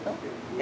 え？